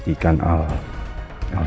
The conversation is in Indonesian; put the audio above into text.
gak ada apa apa